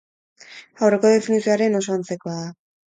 Aurreko definizioaren oso antzekoa da.